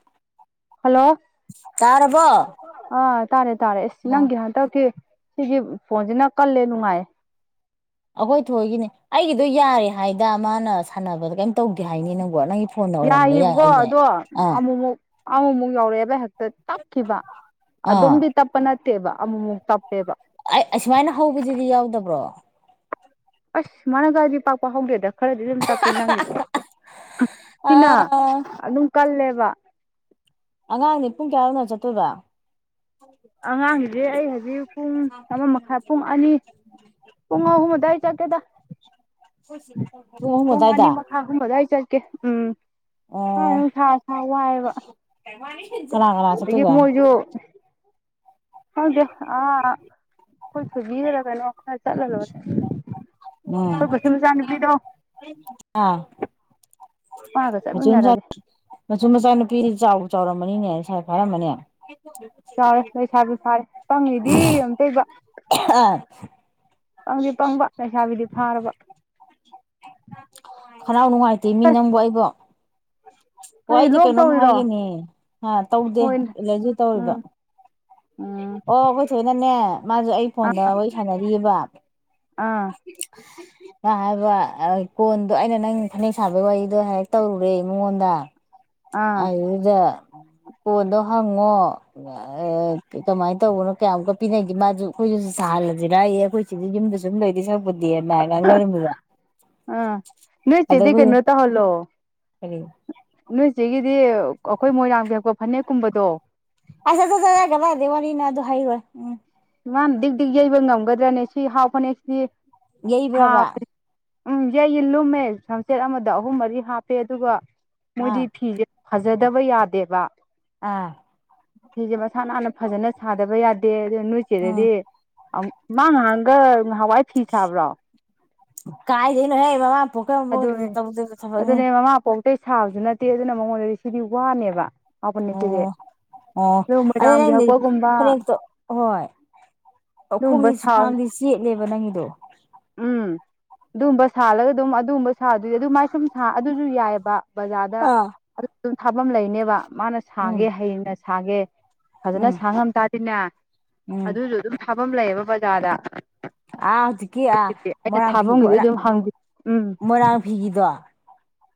[inaudible] hello ꯇꯥꯔꯕꯣ ꯑꯥ ꯇꯥꯔꯦ ꯇꯥꯔꯦ ꯑꯁ ꯅꯪꯒꯤ ꯍꯟꯇꯛꯀꯤ ꯁꯤꯒꯤ ꯐꯣꯟꯁꯤꯅ ꯀꯜꯂꯦ ꯅꯨꯡꯉꯥꯏꯌꯦ ꯑꯩꯈꯣꯏ ꯊꯣꯏꯒꯤꯅꯤ ꯑꯩꯒꯤꯗꯣ ꯌꯥꯔꯦ ꯍꯥꯏꯗ ꯃꯥꯅ ꯁꯥꯟꯅꯕꯗ ꯀꯩꯝ ꯇꯧꯗꯦ ꯍꯥꯏꯅꯦ ꯅꯪꯕꯣ ꯅꯪꯒꯤ ꯐꯣꯟꯅ ꯑꯣꯏꯔꯝꯕ ꯌꯥꯏ ꯌꯥꯏꯌꯦꯕꯀꯣ ꯍꯥꯏꯅꯦ ꯑꯗꯣ ꯑꯥ ꯑꯃꯨꯛꯃꯨꯛ ꯑꯃꯨꯃꯨꯛ ꯌꯧꯔꯛꯑꯦꯕ ꯍꯦꯛꯇ ꯇꯞꯈꯤꯕ ꯑꯥ ꯑꯗꯨꯝꯗꯤ ꯇꯞꯄ ꯅꯠꯇꯦꯕ ꯑꯃꯨꯛꯃꯨꯛ ꯇꯞꯄꯦꯕ ꯑꯩ ꯑꯁꯨꯃꯥꯏꯅ ꯍꯧꯕꯗꯨꯗꯤ ꯌꯥꯎꯗꯕ꯭ꯔꯣ ꯑꯁ ꯁꯨꯃꯥꯏꯅꯒꯗꯤ ꯄꯥꯛ ꯄꯥꯛ ꯍꯧꯗꯦꯗ ꯈꯔꯗꯤ ꯑꯗꯨꯝ ꯇꯞꯄꯤ ꯅꯪꯒꯤꯗꯣ ꯁꯤꯅ ꯑꯥ ꯑꯗꯨꯝ ꯀꯜꯂꯦꯕ ꯑꯉꯥꯡꯅꯦ ꯄꯨꯡ ꯀꯌꯥꯗ ꯎꯅ ꯆꯠꯇꯣꯏꯕ ꯑꯉꯥꯡꯁꯤꯗꯤ ꯑꯩ ꯍꯧꯖꯤꯛ ꯄꯨꯡ ꯑꯃ ꯃꯈꯥꯏ ꯄꯨꯡ ꯑꯅꯤ ꯄꯨꯡ ꯑꯍꯨꯝ ꯑꯗꯨꯋꯥꯏ ꯆꯠꯀꯦꯗ ꯑꯍꯨꯝ ꯄꯨꯡ ꯑꯗꯨꯋꯥꯏꯗ ꯑꯅꯤ ꯃꯈꯥ ꯑꯍꯨꯝꯕ ꯑꯗꯨꯋꯥꯏ ꯆꯠꯀꯦ ꯀꯦ ꯎꯝ ꯀꯥꯏ ꯑꯣ ꯅꯨꯡꯁꯥ ꯁꯥ ꯋꯥꯏꯌꯦꯕ ꯀꯅꯥ ꯀꯅꯥ ꯑꯗꯒꯤ ꯆꯠꯇꯣꯏꯕ ꯃꯣꯏꯖꯨ ꯈꯪꯗꯦ ꯑꯥ ꯈꯣꯏ ꯊꯣꯢꯕꯤꯒꯔ ꯀꯩꯅꯣ ꯈ ꯆꯠꯂ ꯂꯣꯏꯔꯦ ꯑꯩꯈꯣꯏ ꯎꯝ ꯕꯁꯨ ꯃꯆꯥꯅꯨꯄꯤꯗꯣ ꯑꯥ ꯃꯥꯒ ꯃꯆꯨ ꯃꯆꯥ ꯆꯠꯃꯤꯟꯅꯔꯒꯦ ꯃꯆꯨ ꯃꯆꯥ ꯅꯨꯄꯤ ꯆꯥꯎ ꯆꯥꯎꯔꯝꯃꯅꯤꯅꯦ ꯂꯩꯁꯥꯕꯤ ꯐꯥꯔꯝꯃꯥꯅꯤ ꯆꯥꯎꯔꯦ ꯂꯩꯁꯥꯕꯤ ꯐꯥꯔꯦ ꯄꯪꯉꯤꯗꯤ ꯑꯝꯇꯣꯢꯕ ꯑꯥ ꯄꯪꯗꯤ ꯄꯪꯕ ꯂꯩꯁꯥꯕꯤꯗꯤ ꯐꯥꯔꯕ ꯈꯅꯥꯎ ꯅꯨꯡꯉꯥꯏꯇꯦ ꯃꯤ ꯅꯪꯕꯨ ꯑꯩꯕꯣ ꯑꯣ ꯀꯔꯤ ꯑꯩꯖꯦ ꯂꯣꯛ ꯀꯩꯅꯣꯝ ꯇꯧꯔꯤꯔꯣ ꯍꯥꯏꯒꯦꯅꯦ ꯑ ꯇꯧꯗꯦ ꯍꯣꯏꯅꯦ ꯑꯦꯂꯔꯖꯤ ꯇꯧꯔꯤꯕ ꯎꯝ ꯎꯝ ꯑꯣ ꯑꯩꯈꯣꯏ ꯊꯣꯏꯅꯅꯦ ꯃꯥꯁꯦ ꯑꯩ ꯑꯥ ꯐꯣꯟꯗ ꯋꯥꯔꯤ ꯁꯥꯟꯅꯔꯤꯕ ꯑꯥ ꯃꯥ ꯍꯥꯏꯕ ꯀꯣꯟꯗꯣ ꯑꯩꯅ ꯅꯪ ꯐꯅꯦꯛ ꯁꯥꯕꯩ ꯋꯥꯔꯤꯗꯣ ꯍꯥꯏꯔꯞ ꯇꯧꯔꯨꯔꯦ ꯃꯉꯣꯟꯗ ꯑꯥ ꯑꯗꯨꯗ ꯀꯣꯟꯗꯣ ꯍꯪꯉꯣ ꯑꯥ ꯀꯃꯥꯏꯅ ꯇꯧꯕꯅꯣ ꯀ꯭ꯌꯥꯃꯨꯛꯀ ꯄꯤꯅꯒꯦ ꯃꯥꯖꯨ ꯑꯩꯈꯣꯏꯁꯨ ꯁꯥꯍꯜꯂꯁꯤꯔꯥꯌꯦ ꯑꯩꯈꯣꯏ ꯁꯤꯗ ꯌꯨꯝꯗ ꯁꯨꯝ ꯂꯩꯗꯧ ꯁꯛꯄꯨꯗꯤ ꯗꯦꯃꯥꯏ ꯉꯥꯡꯅꯔꯝꯃꯤꯕ ꯑ ꯅꯣꯏ ꯑꯗ ꯆꯦꯗꯤ ꯑꯩꯈꯣꯏ ꯀꯩꯅꯣ ꯇꯧꯍꯜꯂꯣ ꯀꯔꯤ ꯅꯣꯏꯆꯦꯒꯤꯗꯤ ꯑꯈꯣꯏ ꯃꯣꯏꯔꯥꯡꯐꯤ ꯍꯛꯄ ꯐꯅꯦꯛꯀꯨꯝꯕꯗꯣ ꯑ ꯖ-ꯖ-ꯖ ꯖ ꯀꯗꯥꯏꯗꯩ ꯋꯥꯔꯤꯅꯣ ꯑꯗꯨ ꯍꯩꯔꯣꯏ ꯃꯥꯅ ꯗꯤꯛ ꯗꯤꯛ ꯌꯩꯕ ꯉꯝꯒꯗ꯭ꯔꯅꯦ ꯁꯤ ꯍꯥꯎ ꯐꯅꯦꯛꯁꯤ ꯌꯩꯕ꯭ꯔꯕ ꯎꯝ ꯌꯩꯌꯦ ꯂꯨꯝꯃꯦ ꯁꯝꯆꯦꯠ ꯑꯃꯗ ꯑꯍꯨꯝ ꯃꯔꯤ ꯍꯥꯞꯄꯦ ꯑꯗꯨꯒ ꯃꯣꯏꯗꯤ ꯑꯥ ꯐꯤꯁꯦ ꯐꯖꯗꯕ ꯌꯥꯗꯦꯕ ꯑꯥ ꯁꯤꯁꯦ ꯃꯁꯥ ꯅꯥꯟꯅ ꯐꯖꯟꯅ ꯁꯥꯗꯕ ꯌꯥꯗꯦ ꯑꯗꯨ ꯅꯣꯏ ꯎꯝ ꯆꯦꯗꯗꯤ ꯑꯝ ꯃꯥ ꯅꯍꯥꯟꯒ ꯅꯍꯥꯟꯋꯥꯏ ꯐꯤ ꯁꯥꯕ꯭ꯔꯣ ꯀꯥꯏꯗꯩꯅꯣ ꯍꯦ ꯃꯃꯥ ꯄꯣꯛ ꯑꯝꯕꯣꯛ ꯇꯧꯗꯕ ꯊꯕꯛꯅꯤ ꯑꯇꯩ ꯁꯥꯕꯁꯨ ꯅꯠꯇꯦ ꯑꯗꯨꯅ ꯃꯉꯣꯟꯗꯗꯤ ꯁꯤꯗꯤ ꯋꯥꯅꯦꯕ ꯍꯥꯎꯕꯅꯦ ꯁꯤꯗꯤ ꯑꯣ ꯑꯣ ꯑꯗꯨ ꯑꯗꯣ ꯃꯣꯏꯔꯥꯡ ꯅꯪꯗꯤ ꯍꯛꯄꯒꯨꯝꯕ ꯐꯅꯦꯛꯇꯣ ꯍꯣꯏ ꯑꯗꯨꯒꯨꯝꯕ ꯂꯧꯈꯣꯡꯗꯤ ꯁꯥ ꯁꯨ꯭ꯋꯥꯡꯗꯤ ꯆꯦꯠꯂꯦꯕ ꯅꯪꯒꯤꯗꯣ ꯑꯗꯨꯝꯕ ꯁꯥꯜꯂꯒ ꯑꯗꯨꯝ ꯑꯗꯨꯒꯕ ꯁꯥꯕꯗꯤ ꯑꯗꯨ ꯃꯥꯏ ꯁꯨꯝ ꯁꯥ ꯑꯗꯨꯁꯨ ꯌꯥꯏꯌꯦꯕ ꯕꯖꯥꯔꯗ ꯑꯥ ꯑꯗꯨ ꯑꯗꯨꯝ ꯊꯥꯐꯝ ꯂꯩꯅꯦꯕ ꯃꯥꯅ ꯎꯝ ꯁꯥꯒꯦ ꯍꯩꯅ ꯁꯥꯒꯦ ꯐꯖꯟꯅ ꯎꯝ ꯁꯥ ꯉꯝꯇꯥꯗꯤꯅꯦ ꯎꯝ ꯑꯗꯨꯁꯨ ꯑꯗꯨꯝ ꯊꯥꯕꯝ ꯂꯩꯌꯦꯕ ꯕꯖꯥꯔꯗ ꯑꯥ ꯍꯧꯖꯤꯛꯀꯤ ꯑꯥ ꯑꯩꯅ ꯃꯣꯏꯔꯥꯡ ꯐꯤ ꯊꯥꯕꯝꯒꯤꯗꯤ ꯑꯗꯨꯝ ꯍꯪ ꯎꯝ ꯃꯣꯏꯔꯥꯡ ꯐꯤꯒꯤꯗꯣ ꯑꯥ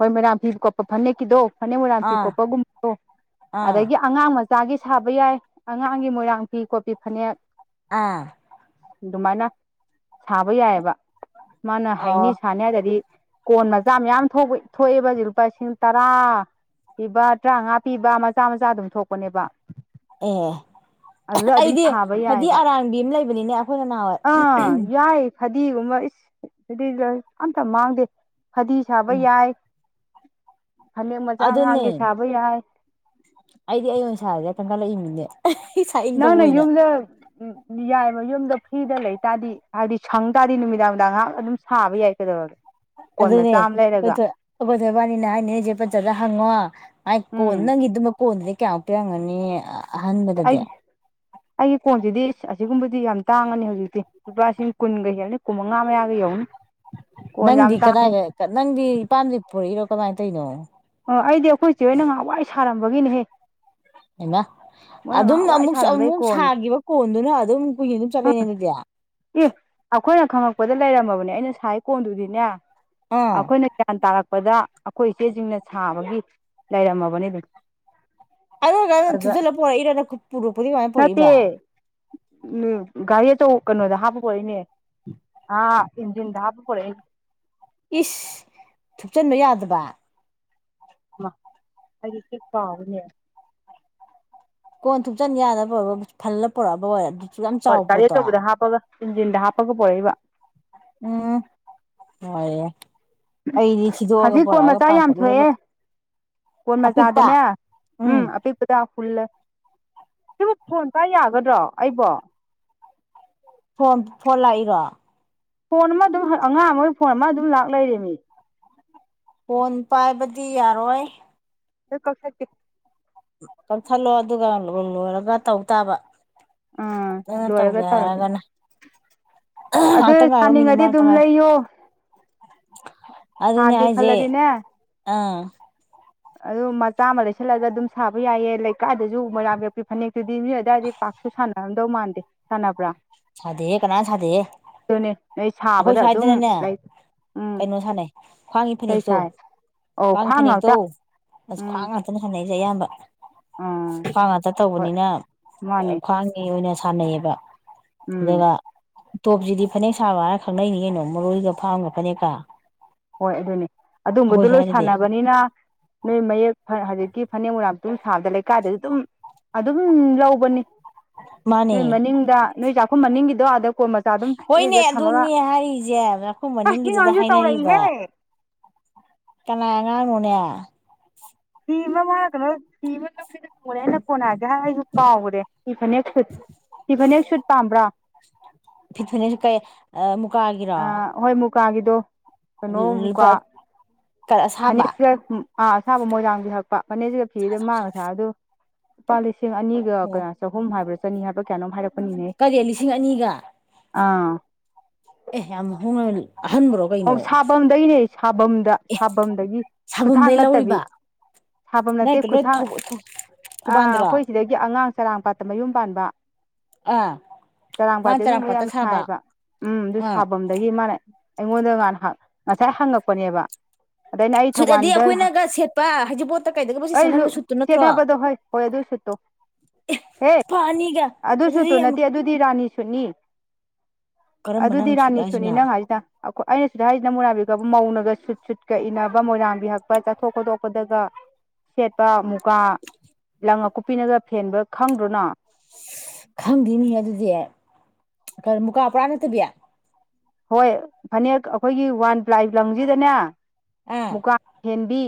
ꯍꯣꯏ ꯃꯣꯏꯔꯥꯡ ꯐꯤ ꯀꯣꯠꯄ ꯐꯅꯦꯛꯀꯤꯗꯣ ꯐꯅꯦꯛ ꯃꯣꯏꯔꯥꯡ ꯐꯤ ꯀꯣꯠꯄꯒꯨꯝꯕꯗꯣ ꯑꯥ ꯑꯗꯒꯤ ꯑꯉꯥꯡ ꯃ ꯆꯥꯒꯤ ꯁꯥꯕ ꯌꯥꯏ ꯑꯉꯥꯡꯒꯤ ꯃꯣꯏꯔꯥꯡ ꯐꯤ ꯀꯣꯠꯄꯤ ꯐꯅꯦꯛ ꯑꯥ ꯑꯗꯨꯃꯥꯏꯅ ꯁꯥꯕ ꯌꯥꯏꯌꯦꯕ ꯃꯥꯅ ꯑꯣ ꯍꯩꯅꯤ ꯁꯥꯅꯤ ꯍꯥꯏꯇꯗꯤ ꯀꯣꯟ ꯃꯆꯥ ꯃꯌꯥꯝ ꯊꯣꯛ ꯊꯣꯛꯑꯦꯕ ꯖꯤꯛ ꯂꯨꯄꯥ ꯂꯤꯁꯤꯡ ꯇꯔꯥ ꯄꯤꯕ ꯇ꯭ꯔꯥꯉꯥ ꯄꯤꯕ ꯃꯆꯥ ꯃꯆꯥ ꯑꯗꯨꯝ ꯊꯣꯛꯄꯅꯦꯕ ꯑꯣ ꯑꯗꯨꯗ ꯑꯗꯨꯝ ꯑꯩꯗꯤ ꯁꯥꯕ ꯐꯗꯤ ꯌꯥꯏꯑꯕ ꯑꯔꯥꯡꯕꯤ ꯑꯃ ꯂꯩꯕꯅꯤꯅꯦ ꯑꯩꯈꯣꯏꯅ ꯅꯍꯥꯟꯋꯥꯏ ꯑꯥ ꯌꯥꯏ ꯐꯗꯤꯒꯨꯝꯕ ꯏꯁ ꯐꯗꯤꯗ ꯑꯝꯇ ꯃꯥꯡꯗꯦ ꯐꯗꯤ ꯁꯥꯕ ꯌꯥꯏ ꯐꯅꯦꯛ ꯃꯆꯥ ꯑꯗꯨꯅꯦ ꯑꯉꯥꯡꯒꯤ ꯁꯥꯕ ꯌꯥꯏ ꯑꯩꯗꯤ ꯑꯩ ꯑꯣꯏꯅ ꯁꯥꯔꯖꯤꯔ ꯈꯪꯒꯠꯂꯛꯏꯝꯃꯤꯅꯦ ꯁꯥꯏꯠ ꯏꯪꯀꯝ ꯑꯣꯏꯅ ꯎꯝ ꯌꯥꯏꯃ ꯌꯨꯝꯗ ꯐ꯭ꯔꯤꯗ ꯂꯩꯇꯥꯥꯗꯤ ꯍꯥꯏꯗꯤ ꯁꯪ ꯇꯥꯔꯗꯤ ꯅꯨꯃꯤꯗꯥꯡ ꯗꯥꯡ ꯉꯥꯏꯍꯥꯛ ꯑꯗꯨꯝ ꯁꯥꯕ ꯌꯥꯏ ꯀꯩꯗꯧꯔꯒꯦ ꯀꯣꯟ ꯑꯗꯨꯅꯦ ꯃꯆꯥ ꯑꯃ ꯈꯣꯏ ꯂꯩꯔꯒ ꯊꯣꯏ ꯑꯈꯣꯏ ꯊꯣꯏ ꯕꯥꯟꯅꯤꯅ ꯍꯥꯏꯅꯦ ꯆꯦ ꯐꯖꯗ ꯍꯪꯉꯣ ꯃꯥꯏ ꯀꯣꯟ ꯎꯝ ꯅꯪꯒꯤ ꯑꯗꯨꯝꯕ ꯀꯣꯟꯗꯗꯤ ꯀꯌꯥꯃꯨꯛ ꯄꯤꯔꯝꯒꯅꯤ ꯑꯍꯟꯕꯗꯗꯤ ꯑꯩ ꯑꯩꯒꯤ ꯀꯣꯟꯁꯤꯗꯤ ꯑꯁꯤꯒꯨꯝꯕꯗꯤ ꯌꯥꯝ ꯇꯥꯡꯉꯅꯤ ꯍꯧꯖꯤꯛꯇꯤ ꯂꯨꯄꯥ ꯂꯤꯁꯤꯡ ꯀꯨꯟꯒ ꯍꯦꯜꯂꯅꯤ ꯀꯨꯟ ꯃꯉꯥ ꯃꯌꯥꯒ ꯌꯧꯅꯤ [inaudible] ꯀꯣꯟ ꯅꯪꯗꯤ ꯌꯥꯝ ꯇꯥꯡꯉꯤ ꯀꯗꯥꯏ ꯅꯪꯗꯤ ꯏꯄꯥꯝꯗꯩ ꯄꯨꯔꯛꯏꯔꯣ ꯀꯃꯥꯏ ꯇꯩꯅꯣ ꯑꯣ ꯑꯩꯗꯤ ꯑꯩꯈꯣꯏꯆꯦ ꯍꯣꯏꯅ ꯅꯍꯥꯟꯋꯥꯏ ꯁꯥꯔꯝꯕꯒꯤꯅꯦꯍꯦ ꯍꯩꯃ ꯃꯣꯏꯅ ꯑꯗꯨꯝ ꯉꯍꯥꯟꯋꯥꯏ ꯑꯃꯨ ꯁꯥꯔꯝꯕꯩ ꯑꯃꯨꯛ ꯀꯣꯟꯅꯦ ꯁꯥꯒꯤꯕ ꯀꯣꯟꯗꯨꯅ ꯑꯗꯨꯝ ꯀꯨꯏꯅ ꯑꯗꯨꯝ ꯆꯠꯂꯦꯅꯦ ꯑꯗꯨꯗꯤ ꯏ ꯑꯩꯈꯣꯏꯅ ꯈꯪꯉꯛꯄꯗ ꯂꯩꯔꯝꯃꯕꯅꯦ ꯑꯩꯅ ꯁꯥꯏ ꯀꯣꯟꯗꯨꯗꯤꯅꯦ ꯑꯥ ꯑꯩꯈꯣꯏꯅ ꯒ꯭ꯌꯥꯟ ꯇꯥꯔꯛ ꯄꯗ ꯑꯩꯈꯣꯏ ꯏꯆꯦꯁꯤꯡꯅ ꯁꯥꯕꯒꯤ ꯂꯩꯔꯝꯃꯕꯅꯤ ꯑꯗꯨꯝ ꯑꯗꯨꯗꯨꯒ ꯅꯪꯅ ꯑꯗꯨꯗ ꯊꯨꯞꯆꯜꯂ ꯄꯣꯔꯛꯏꯔꯅ ꯄꯨꯔꯛꯄꯗꯤ ꯀꯃꯥꯏꯅ ꯄꯣꯔꯛꯏꯕ ꯎꯝ ꯒꯔꯤ ꯑꯆꯧ ꯀꯩꯅꯣꯗ ꯍꯥꯞꯄ ꯄꯣꯔꯛꯏꯅꯦ ꯑ ꯏꯟꯖꯤꯟꯗꯥ ꯍꯥꯞꯄ ꯄꯨꯔꯛꯏꯅꯦ ꯏꯁ ꯊꯨꯞꯆꯟꯕ ꯌꯥꯗꯕ ꯃꯥ ꯑꯩ ꯏ ꯀꯥꯎꯋꯤꯅꯦ ꯀꯣꯟ ꯊꯨꯞꯆꯟ ꯌꯥꯗꯕ ꯐꯜꯂ ꯄꯣꯔꯛꯑꯕ ꯑꯣꯏꯔꯝꯅꯤ ꯍꯣꯏ ꯒꯥꯔꯤ ꯑꯆꯧꯕꯗ ꯍꯥꯞꯄꯒ ꯏꯤꯟꯖꯤꯟꯗ ꯍꯥꯞꯄꯒ ꯄꯣꯔꯛꯏꯕ ꯌꯥꯏ ꯌꯥꯏ ꯑꯩꯗꯤ ꯁꯤꯗꯣꯛꯑꯒ ꯍꯧꯖꯤꯛ ꯀꯣꯟ ꯄꯨꯔꯛꯑꯒ ꯃꯆꯥ ꯌꯥꯝ ꯄꯥꯟꯈꯠꯂꯤꯔꯕ ꯊꯣꯛꯑꯦ ꯀꯣꯟ ꯃꯆꯥꯗꯅꯦ ꯎꯝ ꯑꯄꯤꯛꯄꯗ ꯍꯨꯜꯂ ꯁꯤꯕꯨ ꯐꯣꯟ ꯄꯥ ꯌꯥꯒꯗ꯭ꯔꯣ ꯑꯩꯕꯣ ꯐꯣꯟ ꯐꯣꯟ ꯂꯥꯛꯏꯔꯣ ꯐꯣꯟ ꯑꯃ ꯑꯗꯨꯝ ꯑꯉꯥꯡ ꯑꯃꯒꯤ ꯐꯣꯟ ꯑꯃ ꯑꯗꯨꯝ ꯂꯥꯛ ꯂꯩꯔꯦꯃꯤ ꯐꯣꯟ ꯄꯥꯏꯕꯗꯤ ꯌꯥꯔꯣꯏ ꯇ ꯀꯛꯊꯠꯀꯦ ꯀꯛꯊꯠꯂꯣ ꯑꯗꯨꯒ ꯂꯣꯏꯔꯒ ꯇꯧ ꯇꯥꯕ ꯑꯥ ꯅꯪꯅ ꯇꯧꯒꯦ ꯂꯣꯏꯔꯒ ꯇꯧꯔꯒꯦ ꯍꯥꯏꯔꯒꯅ ꯑꯗꯨ ꯉꯥꯏꯍꯥꯛꯇꯪ ꯉꯥꯏꯌꯣ ꯃꯤꯅꯤꯠ ꯁꯥꯅꯤꯡꯉꯗꯤ ꯑꯃ ꯑꯗꯨꯝ ꯉꯥꯛꯇꯪ ꯉꯥꯏꯌꯣ ꯂꯩꯌꯣ ꯑꯗꯨꯅꯦ ꯁꯥꯒꯦ ꯍꯥꯏꯖꯦ ꯈꯜꯂꯗꯤꯅꯦ ꯑꯥ ꯑꯗꯨ ꯃꯆꯥ ꯑꯃ ꯂꯩꯁꯜꯂꯒ ꯑꯗꯨꯝ ꯁꯥꯕ ꯌꯥꯏꯌꯦ ꯂꯩꯀꯥꯏꯗꯖꯨ ꯃꯣꯏꯔꯥꯡ ꯌꯦꯛꯄꯤ ꯐꯅꯦꯛꯇꯨꯗꯤ ꯃꯤ ꯑꯗꯨꯋꯥꯏꯗꯤ ꯄꯥꯛꯁꯨ ꯁꯥꯟꯅꯔꯝꯗꯧ ꯃꯥꯟꯗꯦ ꯁꯥꯟꯅꯕ꯭ꯔꯥ ꯁꯥꯗꯦꯍꯦ ꯀꯅꯥꯝ ꯁꯥꯗꯦꯍꯦ ꯑꯗꯨꯅꯦ ꯅꯣꯏ ꯑꯈꯣꯏ ꯁꯥꯕꯗ ꯑꯗꯨꯝ ꯁ꯭ꯋꯥꯏꯗꯅꯅꯦ ꯂꯩ ꯎꯝ ꯀꯩꯅꯣ ꯁꯥꯟꯅꯩ ꯈ꯭ꯋꯥꯡꯒꯤ ꯀꯩ ꯐꯅꯦꯛꯇꯣ ꯁꯥꯏ ꯑꯧ ꯈ꯭ꯋꯥꯡꯒꯤ ꯈ꯭ꯋꯥꯡ ꯐꯅꯦꯛꯇꯣ ꯉꯥꯛꯇ ꯑꯁ ꯎꯝ ꯈ꯭ꯋꯥꯡ ꯉꯥꯛꯇꯅꯦ ꯁꯥꯟꯅꯩꯖꯦ ꯑꯌꯥꯝꯕ ꯑꯥ ꯈ꯭ꯋꯥꯡ ꯉꯥꯛꯇ ꯍꯣꯏ ꯇꯧꯕꯅꯤꯅ ꯃꯥꯅꯦ ꯈ꯭ꯋꯥꯡꯒꯤ ꯑꯣꯏꯅ ꯁꯥꯟꯅꯩꯌꯦꯕ ꯎꯝ ꯇꯣꯞꯖꯤꯗꯤ ꯐꯅꯦꯛ ꯁꯥꯕ ꯍꯥꯏꯔ ꯈꯪꯅꯩꯅꯤꯀꯩꯅꯣ ꯃꯔꯣꯏꯒ ꯐꯥꯝꯒ ꯐꯅꯦꯛꯀ ꯍꯣꯏ ꯑꯗꯨꯅꯦ ꯑꯗꯨꯝꯕꯗꯣ ꯑꯩꯈꯣꯏ ꯂꯣꯏ ꯁ꯭ꯋꯥꯏꯗꯗꯤ ꯁꯥꯟꯅꯕꯅꯤꯅ ꯅꯣꯏ ꯃꯌꯦꯛ ꯍꯧꯖꯤꯛꯀꯤ ꯐꯅꯦꯛ ꯃꯨꯔꯥꯡꯊꯨꯝ ꯁꯥꯕꯗ ꯂꯩꯀꯥꯏꯗꯖꯨ ꯑꯗꯨꯝ ꯑꯗꯨꯝ ꯂꯧꯕꯅꯤ ꯃꯥꯅꯦ ꯅꯣꯏ ꯃꯅꯤꯡꯗ ꯅꯣꯏ ꯆꯥꯛꯈꯨꯝ ꯃꯅꯤꯡꯒꯤꯗꯣ ꯑꯗ ꯀꯣꯟ ꯃꯆꯥ ꯑꯗꯨꯝ ꯏꯔꯦꯟꯖ ꯊꯝꯃꯒ ꯈꯨ ꯑꯁ ꯁꯤ ꯃꯅꯤꯡꯒꯤꯗꯨꯗ ꯑꯉꯥꯡꯁꯦ ꯍꯥꯏꯅꯔꯤꯕ ꯇꯧꯔꯛꯏꯍꯦ ꯀꯅꯥ ꯑꯉꯥꯡꯅꯣꯅꯦ ꯐꯤꯃ ꯃꯥꯅ ꯀꯩꯅꯣ ꯐꯤꯃ ꯂꯝꯕꯤꯗ ꯄꯣꯔꯛꯑꯦ ꯑꯩꯅ ꯀꯣꯟꯅ ꯍꯥꯏꯔꯛꯀꯦ ꯍꯥꯏ ꯑꯩꯖꯨ ꯀꯥꯎꯒ꯭ꯔꯦ ꯐꯤ ꯐꯅꯦꯛ ꯁꯨꯠ ꯐꯤ ꯐꯅꯦꯛ ꯁꯨꯠ ꯄꯥꯝꯕ꯭ꯔꯣ ꯐꯤ ꯐꯅꯦꯛꯁꯨ ꯀꯩ ꯃꯨꯀꯥꯒꯤꯔꯣ ꯑꯥ ꯍꯣꯏ ꯃꯨꯀꯥꯒꯤꯗꯣ ꯀꯩꯅꯣ ꯂꯨꯄꯥ ꯃꯨꯀꯥ ꯀꯔ ꯑꯁꯥꯕ ꯐꯅꯦꯛꯒ ꯑꯥ ꯁꯥꯕ ꯃꯣꯏꯔꯥꯡꯐꯤ ꯍꯛꯄ ꯐꯅꯦꯛꯁꯤꯒ ꯐꯤꯗ ꯃꯥꯅ ꯉꯁꯥꯏ ꯍꯥꯏꯕꯗꯨ ꯂꯨꯄꯥ ꯂꯤꯁꯤꯡ ꯑꯅꯤꯒ ꯑꯣ ꯀꯌꯥ ꯆꯍꯨꯝ ꯍꯥꯏꯕ꯭ꯔꯥ ꯆꯅꯤ ꯍꯥꯏꯕ꯭ꯔꯥ ꯀꯌꯥꯅꯣꯝ ꯍꯥꯏꯔꯛꯄ ꯀꯔꯤ ꯂꯤꯁꯤꯡ ꯑꯅꯤꯒ ꯑꯥ ꯑꯦ ꯌꯥꯝ ꯍꯣꯡꯅ ꯑꯍꯟꯕ꯭ꯔꯣ ꯑꯣ ꯀꯩꯅꯣ ꯁꯥꯕꯝꯗꯩꯅꯦ ꯁꯥꯕꯝꯗ ꯁꯥꯕꯝꯗꯒꯤ ꯈꯨꯠꯊꯥꯡ ꯁꯥꯕꯝꯗꯩ ꯅꯠꯇꯕꯤ ꯂꯧꯔꯤꯕ ꯁꯥꯕꯝ ꯅꯣꯏ ꯅꯠꯇꯦ ꯂꯣꯏ ꯈꯨꯠꯊꯥꯡ ꯑꯥ ꯊꯧꯕꯥꯟꯗꯔꯣ ꯑꯩꯈꯣꯏ ꯁꯤꯗꯒꯤ ꯑꯉꯥꯡ ꯆꯔꯥꯡ ꯄꯥꯠꯇ ꯃꯌꯨꯝ ꯄꯥꯟꯕ ꯑꯥ ꯆꯔꯥꯡꯄꯥꯥꯠꯇꯤ ꯃꯥꯅ ꯑꯗꯨꯒꯨꯝꯕ ꯆꯔꯥꯛꯄꯥꯠꯇ ꯌꯥꯝ ꯁꯥꯕ ꯁꯥꯏꯕ ꯎꯝ ꯑꯗꯨ ꯑꯥ ꯁꯥꯕꯝꯗꯒꯤ ꯃꯥꯅ ꯑꯩꯉꯣꯟꯗ ꯉꯥꯟ ꯉꯁꯥꯏ ꯍꯪꯉꯛꯄꯅꯦꯕ ꯑꯗꯩꯅ ꯑꯩ ꯁꯨꯠ ꯑꯗꯤ ꯊꯧꯕꯥꯜꯗ ꯑꯩꯈꯣꯏꯅꯒ ꯁꯦꯠꯄ ꯍꯩꯖꯤꯡꯄꯣꯠꯇ ꯀꯩꯗꯒꯕꯁꯦ ꯑꯩ ꯁꯦꯠꯅꯕ ꯁꯨꯠꯇꯨ ꯅꯠꯇ꯭ꯔꯣ ꯁꯦꯗꯕꯗꯣ ꯍꯩ ꯍꯣꯏ ꯑꯗꯨꯁꯨꯠ ꯍꯦ ꯂꯨꯄꯥ ꯑꯅꯤꯒ ꯑꯗꯨ ꯑꯗꯨꯗꯤ ꯁꯨꯠꯇꯣ ꯌꯥꯝ ꯅꯠꯇꯦ ꯑꯗꯨꯗꯤ ꯔꯥꯅꯤ ꯁꯨꯠꯅꯤ ꯀꯔꯝꯕ ꯑꯗꯨꯗꯤ ꯅꯪ ꯁꯨꯠ ꯔꯥꯅꯤ ꯁꯨꯠꯅꯤ ꯍꯥꯏꯁꯤꯅ ꯅꯪ ꯍꯥꯏꯖꯤꯅ ꯑꯩꯅ ꯁꯤꯗ ꯍꯥꯏꯔꯤꯖꯤꯅ ꯃꯣꯏꯔꯥꯡ ꯐꯤꯒ ꯍꯛꯄ ꯃꯧꯅꯒ ꯁꯨꯠ ꯁꯨꯠꯀ ꯏꯅꯕ ꯃꯣꯏꯔꯥꯡꯐꯤ ꯍꯛꯄ ꯆꯠꯊꯣꯛ ꯈꯣꯠꯇꯣꯛꯄꯗꯒ ꯁꯦꯠꯄ ꯃꯨꯀꯥ ꯂꯪ ꯑꯀꯨꯞꯄꯤꯅꯒ ꯐꯦꯟꯕ ꯈꯪꯗ꯭ꯔꯣ ꯅꯪ ꯈꯪꯗꯦꯅꯤ ꯑꯗꯨꯗꯤ ꯃꯨꯀꯥ ꯄꯨꯔꯥ ꯅꯠꯇꯕꯤ ꯍꯣꯏ ꯐꯅꯦꯛ ꯑꯩꯈꯣꯏꯒꯤ ꯋꯥꯟ ꯄ꯭ꯂꯥꯏ ꯂꯪꯖꯤꯗꯅꯦ ꯃꯨꯀꯥ ꯐꯦꯟꯕꯤ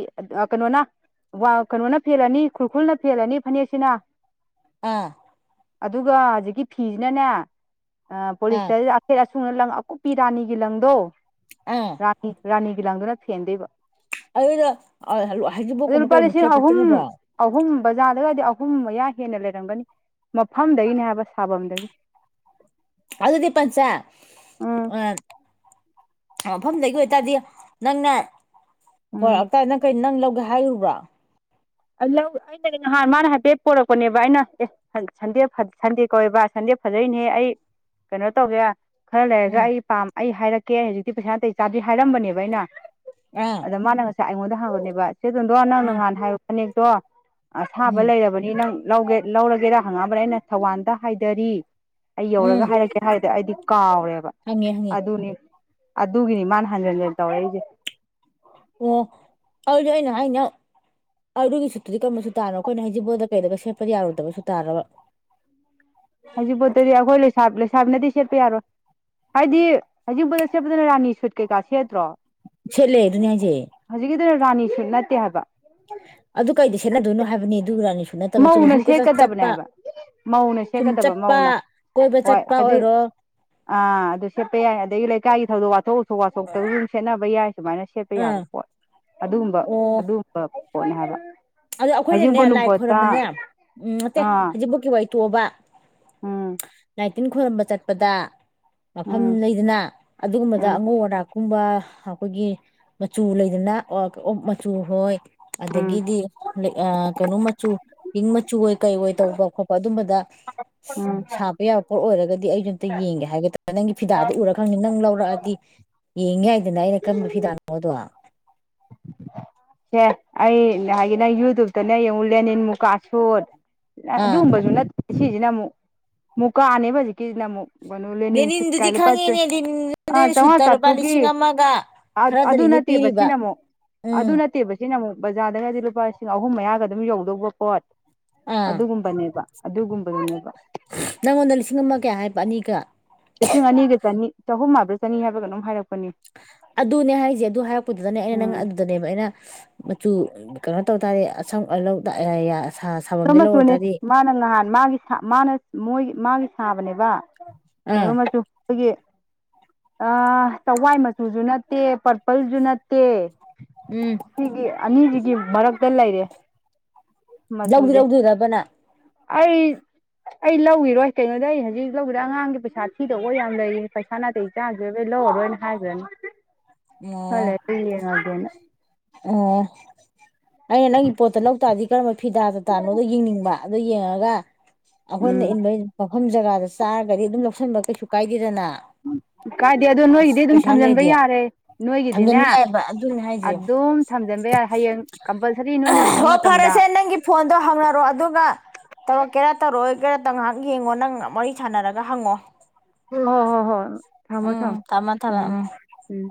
ꯀꯩꯅꯣꯅ ꯀꯩꯅꯣꯅ ꯐꯦꯜꯂꯅꯤ ꯈꯨꯔꯈꯨꯜꯅ ꯐꯦꯜꯂꯅꯤ ꯐꯅꯦꯛꯁꯤꯅ ꯑꯥ ꯑꯗꯨꯒ ꯍꯧꯖꯤꯛꯀꯤ ꯐꯤꯖꯤꯅꯅꯦ ꯑꯥ ꯄꯣꯂꯤꯁꯇꯔ ꯑꯈꯦꯠ ꯑꯁꯨꯡꯅ ꯂꯪ ꯑꯀꯨꯞ ꯅꯨꯄꯤ ꯔꯥꯅꯤꯒꯤ ꯂꯪꯗꯣ ꯑꯥ ꯔꯥꯅꯤꯒꯤ ꯂꯪꯗꯨꯅ ꯐꯦꯟꯗꯣꯏꯕ ꯑꯗꯨꯗꯣ ꯑꯗꯨ ꯍꯩꯖꯤꯡꯄꯣꯠꯀꯨꯝꯕ ꯂꯨꯄꯥ ꯀꯩꯒꯨꯝꯕ ꯂꯤꯁꯤꯡ ꯁꯦꯠꯄ ꯑꯍꯨꯝ ꯆꯠꯅꯕ꯭ꯔꯣ ꯑꯍꯨꯝ ꯕꯖꯥꯔꯗꯒꯗꯤ ꯑꯍꯨꯝ ꯑꯍꯨꯝ ꯃꯌꯥ ꯍꯦꯟꯅ ꯂꯩꯔꯝꯒꯅꯤ ꯃꯐꯝꯗꯒꯤꯅꯦ ꯍꯥꯏꯕ ꯁꯥꯐꯝꯗꯒꯤ ꯑꯗꯨꯗꯤ ꯄꯥꯆꯥ ꯎꯝ ꯑꯥ ꯃꯐꯝꯗꯒꯤ ꯑꯣꯏꯇꯥꯔꯗꯤ ꯅꯪꯅ ꯍꯣꯏ ꯎꯝ ꯑꯝꯇ ꯅꯪ ꯀꯩ ꯅꯪ ꯂꯧꯒꯦ ꯍꯥꯏꯔꯨꯕ꯭ꯔꯣ ꯂꯧ ꯑꯩꯅꯗꯤ ꯅꯍꯥꯟ ꯃꯥꯅ ꯍꯥꯏꯐꯦꯠ ꯄꯣꯔꯛꯄꯅꯦꯕ ꯑꯩꯅ ꯑꯦ ꯁꯟꯗꯦ ꯁꯟꯗꯦ ꯀꯧꯋꯦꯕ ꯁꯟꯗꯦ ꯐꯖꯩꯅꯦ ꯑꯩ ꯀꯩꯅꯣ ꯇꯧꯒꯦ ꯈꯔ ꯂꯩꯔꯒ ꯎꯝ ꯑꯩ ꯄꯥꯝ ꯑꯩ ꯍꯥꯏꯔꯛꯀꯦ ꯑꯩ ꯍꯧꯖꯤꯛꯇꯤ ꯄꯩꯁꯥ ꯅꯥꯇꯩ ꯆꯥꯗ꯭ꯔꯤꯍꯥꯏꯔꯝꯕ ꯅꯦꯕ ꯑꯩꯅ ꯑꯥ ꯑꯗ ꯃꯥꯅ ꯉꯁꯥꯏ ꯑꯩꯉꯣꯟꯗ ꯍꯪꯕꯅꯦꯕ ꯆꯦꯇꯣꯟꯗꯣꯟ ꯅꯪꯅ ꯎꯝ ꯅꯍꯥꯟ ꯍꯥꯏꯕ ꯐꯅꯦꯛꯇꯣ ꯑꯁꯥꯕ ꯎꯝ ꯂꯩꯔꯕꯅꯤ ꯅꯪ ꯂꯧꯒꯦ ꯂꯧꯔꯒꯦꯔꯥ ꯍꯪꯉꯛꯑꯝꯕꯅꯤ ꯑꯩꯅ ꯊꯧꯕꯥꯟꯗ ꯍꯥꯏꯗꯔꯤ ꯑꯩ ꯎꯝ ꯌꯧꯔꯒ ꯍꯥꯏꯔꯛꯀꯦ ꯍꯥꯏꯔꯗꯤ ꯑꯩꯗꯤ ꯀꯥꯎꯔꯦꯕ ꯍꯪꯉꯦ ꯍꯪꯉꯦ ꯑꯗꯨꯅꯤ ꯑꯗꯨꯒꯤꯅꯤ ꯃꯥꯅ ꯍꯟꯖꯤꯟ ꯍꯟꯖꯤꯟ ꯇꯧꯔꯛꯢꯁꯦ ꯑꯣ ꯑꯗꯨꯗꯤ ꯑꯩꯅ ꯍꯥꯏꯖꯤꯅ ꯑꯗꯨꯒꯤ ꯁꯨꯠꯇꯨꯗꯤ ꯀꯔꯝꯕ ꯁꯨꯠ ꯇꯥꯅꯣ ꯑꯩꯈꯣꯏꯅ ꯍꯩꯖꯤꯡꯄꯣꯠꯗ ꯀꯩꯗꯒ ꯁꯦꯠꯄꯗꯤ ꯌꯥꯔꯣꯏꯗꯕ ꯁꯨꯠ ꯇꯥꯔꯕ ꯍꯧꯖꯤꯡꯄꯣꯠꯇꯗꯤ ꯑꯈꯣꯏ ꯂꯩꯁꯥꯕꯤꯅꯗꯤ ꯁꯦꯠꯄ ꯌꯥꯔꯣꯏ ꯍꯥꯏꯗꯤ ꯍꯧꯖꯤꯡꯄꯣꯠꯗ ꯁꯦꯠꯄꯗꯅ ꯔꯥꯅꯤ ꯁꯨꯠ ꯀꯩꯀꯥ ꯁꯦꯠꯇ꯭ꯔꯣ ꯁꯦꯠꯂꯦ ꯑꯗꯨꯅꯦ ꯍꯥꯏꯖꯦ ꯑꯗꯨꯅ ꯔꯥꯅꯤ ꯁꯨꯠ ꯅꯠꯇꯦ ꯍꯥꯏꯕ ꯑꯗꯨ ꯀꯩꯗꯤ ꯁꯦꯠꯅꯗꯣꯏꯅꯣ ꯍꯥꯏꯕꯅꯤ ꯑꯗꯨ ꯔꯥꯅꯤ ꯃꯧꯅ ꯁꯦꯠꯀꯗꯕꯅꯦ ꯍꯥꯏꯕ ꯃꯧꯅ ꯁꯨꯝ ꯁꯦꯠꯀꯗꯕ ꯆꯠꯄ ꯃꯧꯅ ꯀꯣꯏꯕ ꯍꯣꯏ ꯆꯠꯄ ꯑꯗꯨ ꯑꯣꯏꯔꯣ ꯑꯥ ꯑꯗꯨ ꯁꯦꯠꯄ ꯌꯥꯏ ꯑꯗꯒꯤ ꯂꯩꯀꯥꯏꯒꯤ ꯊꯧꯗꯣꯛ ꯋꯥꯊꯣꯛ ꯑꯣ ꯋꯥꯊꯣꯛꯇ ꯁꯨꯝ ꯁꯦꯠꯅꯕ ꯌꯥꯏ ꯁꯨꯃꯥꯏꯅ ꯁꯦꯠꯄ ꯑꯥ ꯌꯥꯕ ꯄꯣꯠ ꯑꯗꯨꯒꯨꯝꯕ ꯑꯗꯨꯒꯨꯝꯕ [unintelligible] ꯑꯗꯨ ꯑꯩꯈꯣꯏꯅꯅꯦ ꯍꯩꯖꯤꯡꯄꯣꯠ ꯂꯥꯏ ꯅꯨꯡꯄꯣꯠꯇ ꯈꯣꯏꯔꯝꯕꯅꯦ ꯎꯝ ꯅꯠꯇꯦ ꯑꯥ ꯍꯧꯖꯤꯡꯄꯣꯠꯀꯤ ꯋꯥꯔꯝ ꯇꯣꯛꯑꯣꯕ ꯎꯝ ꯂꯥꯏꯇꯤꯟ ꯈꯣꯏꯔꯝꯕ ꯆꯠꯄꯗ ꯃꯐꯝ ꯎꯝ ꯂꯩꯗꯅ ꯑꯗꯨꯒꯨꯝꯕꯗ ꯎꯝ ꯑꯉꯧ ꯑꯔꯥꯛ ꯀꯨꯝꯕ ꯑꯩꯈꯣꯏꯒꯤ ꯃꯆꯨ ꯂꯩꯗꯅ ꯃꯆꯨ ꯍꯣꯏ ꯎꯝ ꯑꯗꯒꯤꯗꯤ ꯑꯥ ꯀꯩꯅꯣ ꯃꯆꯨ ꯄꯤꯡ ꯃꯆꯨ ꯑꯣꯏ ꯀꯩ ꯑꯣꯏ ꯇꯧꯕ ꯈꯣꯠꯄ ꯑꯗꯨꯝꯕꯗ ꯎꯝ ꯁꯥꯕ ꯌꯥꯕ ꯄꯣꯠ ꯑꯣꯏꯔꯒꯗꯤ ꯑꯩꯖꯨ ꯑꯝꯇ ꯌꯦꯡꯒꯦ ꯍꯥꯏꯒꯦ ꯇꯧꯕ ꯅꯪꯒꯤ ꯐꯤꯗꯥꯗ ꯎꯔꯥ ꯈꯪꯅꯤ ꯅꯪ ꯂꯧꯔꯛꯑꯗꯤ ꯌꯦꯡ ꯌꯥꯏꯗꯅ ꯑꯩꯅ ꯀꯔꯝꯕ ꯐꯤꯗꯥꯅꯣꯗꯣ ꯁꯦ ꯑꯩ ꯍꯥꯏꯗꯤ ꯅꯪ ꯌꯨꯇꯨꯞꯇꯅ ꯌꯦꯡꯉꯨ ꯂꯦꯅꯤꯟ ꯃꯨꯀꯥ ꯁꯨꯠ ꯑꯥ ꯑꯗꯨꯒꯨꯝꯕꯖꯨ ꯅꯠꯇꯦ ꯁꯤꯒꯤꯅ ꯑꯃꯨꯛ ꯃꯨꯛ ꯀꯥꯅꯦꯕ ꯍꯧꯖꯤꯛꯀꯤꯁꯤꯅ ꯑꯃꯨꯛ ꯂꯦꯅꯤꯟ ꯁꯨꯠꯀꯥꯏ ꯂꯦꯅꯤꯟꯗꯨꯗꯤ ꯂꯨꯄꯥ ꯈꯪꯉꯦꯅꯦ ꯂꯦꯅꯤꯟꯗꯨꯅ ꯑꯥ ꯆꯧꯉꯥ ꯁꯨꯠꯇ ꯂꯨꯄꯥ ꯆꯥꯇ꯭ꯔꯨꯛꯒꯤ ꯂꯤꯁꯤꯡ ꯑꯃꯒ ꯑꯗꯨ ꯈꯔꯗꯅꯤꯅꯦ ꯅꯠꯇꯦꯕ ꯄꯤꯔꯤꯕ ꯁꯤꯅ ꯑꯃꯨꯛ ꯎꯝ ꯑꯗꯨ ꯅꯠꯇꯦꯕ ꯁꯤꯅ ꯑꯃꯨꯛ ꯕꯖꯥꯔꯗꯒꯗꯤ ꯂꯨꯄꯥ ꯂꯤꯁꯤꯡ ꯑꯍꯨꯝ ꯃꯌꯥꯒ ꯑꯗꯨꯝ ꯌꯧꯗꯧꯕ ꯄꯣꯠ ꯑꯥ ꯑꯗꯨꯒꯨꯝꯕꯅꯦꯕ ꯑꯗꯨꯒꯨꯝꯕꯗꯨꯅꯦꯕ ꯅꯪꯉꯣꯟꯗ ꯂꯤꯁꯤꯡ ꯑꯃ ꯀꯌꯥ ꯍꯥꯏꯕ ꯑꯅꯤꯒ ꯂꯤꯁꯤꯡ ꯑꯅꯤꯒ ꯆꯅꯤ ꯆꯍꯨꯝ ꯍꯥꯕ꯭ꯔꯥ ꯆꯅꯤ ꯍꯥꯏꯕꯔꯥ ꯀꯩꯅꯣꯝ ꯍꯥꯏꯔꯛꯄꯅꯤ ꯑꯗꯨꯅꯦ ꯍꯥꯏꯁꯦ ꯑꯗꯨ ꯍꯥꯏꯔꯛꯄꯗꯨꯗꯅꯦ ꯑꯩꯅ ꯅꯪ ꯎꯝ ꯑꯗꯨꯗꯅꯦꯕ ꯑꯩꯅ ꯃꯆꯨ ꯀꯩꯅꯣ ꯇꯧ ꯇꯥꯔꯗꯤ ꯑꯁꯪ ꯑ ꯂꯧ ꯇꯑ ꯆꯨꯝ ꯃꯆꯨꯅꯤ ꯃꯥꯅ ꯉꯍꯥꯟ ꯃꯥꯒꯤ ꯃꯥꯅ ꯃꯣꯏ ꯃꯥꯒꯤ ꯁꯥꯕꯅꯦꯕ ꯀꯩꯅꯣ ꯑꯥ ꯃꯆꯨ ꯈꯣꯏꯒꯤ ꯑꯥ ꯆꯋꯥꯏ ꯃꯆꯨꯁꯨ ꯅꯠꯇꯦ ꯄꯔꯄꯜꯖꯨ ꯅꯠꯇꯦ ꯁꯤꯒꯤ ꯑꯅꯤꯖꯤꯒꯤ ꯃꯔꯛꯇ ꯂꯩꯔꯦ ꯂꯧꯗꯤ ꯃꯆꯨꯁꯦ ꯂꯧꯗꯣꯏꯗꯔꯕ ꯅꯪ ꯑꯩ ꯑꯩ ꯂꯧꯒꯤꯔꯣꯏ ꯀꯩꯅꯣꯗ ꯑꯩ ꯍꯧꯖꯤꯛ ꯂꯧꯒꯗ ꯑꯉꯥꯡꯒꯤ ꯄꯩꯁꯥ ꯊꯤꯗꯧꯕ ꯌꯥꯝ ꯂꯩ ꯄꯩꯁꯥ ꯅꯥꯇꯩ ꯆꯥꯗ ꯂꯧꯔꯔꯣꯏꯅ ꯍꯥꯏꯒ꯭ꯔꯅꯤ ꯈꯥꯔ ꯑꯣ ꯂꯩꯔ ꯌꯦꯡꯉꯒꯦꯅ ꯑꯣ ꯑꯩꯅ ꯅꯪꯒꯤ ꯄꯣꯠꯇ ꯂꯧꯇꯥꯥꯔꯗꯤ ꯀꯔꯝꯕ ꯐꯤꯗꯥꯗ ꯇꯥꯅꯣꯗꯣ ꯌꯦꯡꯅꯤꯡꯕ ꯑꯗꯨ ꯌꯦꯡꯉꯒ ꯑꯩꯈꯣꯏꯅ ꯎꯝ ꯏꯟꯕꯩ ꯃꯐꯝ ꯖꯒꯥꯗ ꯆꯥꯔꯒꯗꯤ ꯑꯗꯨꯝ ꯂꯧꯁꯟꯕ ꯀꯩꯁꯨ ꯀꯥꯏꯗꯦꯗꯅ ꯀꯥꯏꯗꯦ ꯑꯗꯣ ꯅꯣꯏꯒꯤꯗꯤ ꯑꯗꯨꯝ ꯄꯩꯁꯥ ꯊꯝꯖꯤꯟꯕ ꯂꯩꯗꯤ ꯌꯥꯔꯦ ꯊꯝꯖꯕ ꯅꯣꯏꯒꯤꯗꯤꯅꯦ ꯌꯥꯏꯕ ꯑꯗꯨꯅꯦ ꯍꯥꯏꯖꯦ ꯑꯗꯨꯝ ꯊꯝꯖꯤꯟꯕ ꯌꯥꯔꯦ ꯍꯌꯦꯡ ꯀꯝꯄꯜꯁꯔꯤ ꯅꯣꯏꯅ ꯂꯨꯍꯣꯡ ꯑꯣ ꯃꯇꯝꯗ ꯐꯔꯁꯦ ꯅꯪꯒꯤ ꯐꯣꯟꯗꯣ ꯍꯪꯅꯔꯣ ꯑꯗꯨꯒ ꯇꯧꯔꯣ ꯀꯦꯔꯥ ꯇꯧꯔꯛꯑꯣ ꯀꯦꯔ ꯇ ꯉꯥꯏꯍꯥꯛ ꯌꯦꯡꯉꯣ ꯅꯪ ꯋꯥꯔꯤ ꯁꯥꯟꯅꯔꯒ ꯍꯪꯉꯣ ꯍꯣ ꯍꯣ ꯍꯣꯏ ꯊꯝꯃꯣ ꯊꯝꯃꯣ ꯎꯝ ꯎꯝ